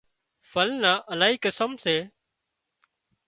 ڦل نان الاهي قسم سي